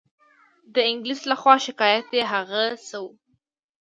د انګلیس له خوا شکایت یې هغه څه وو.